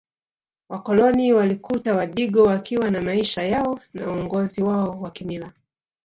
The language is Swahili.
Wakoloni walikuta Wadigo wakiwa na maisha yao na uongozi wao wa kimila